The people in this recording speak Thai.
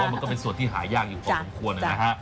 มันก็เป็นส่วนที่หายากอยู่พอสมควรนะฮะ